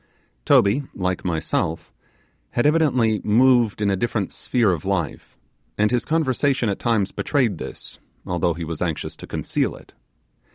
Toby, like myself, had evidently moved in a different sphere of life, and his conversation at times betrayed this, although he was anxious to conceal it.